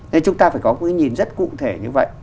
nên chúng ta phải có cái nhìn rất cụ thể như vậy